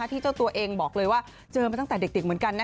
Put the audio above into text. ที่เจ้าตัวเองบอกเลยว่าเจอมาตั้งแต่เด็กเหมือนกันนะ